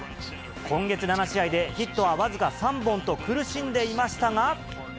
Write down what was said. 今月７試合でヒットは僅か３本と、苦しんでいましたが。